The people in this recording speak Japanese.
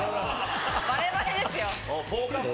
バレバレですよ。